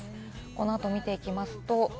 この後を見ていきます。